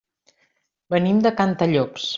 Venim de Cantallops.